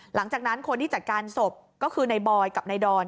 หลังจากนั้นคนที่จัดการศพก็คือในบอยกับนายดอน